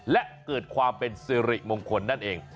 และเกิดความเป็นสิริมงคลนั่นเอง